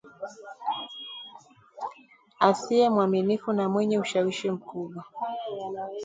asiye mwaminifu na mwenye ushawishi mkubwa